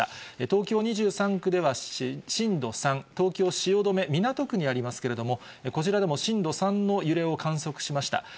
東京２３区では震度３、東京・汐留、港区にありますけれども、こちらでも震度３の揺れを観測しました。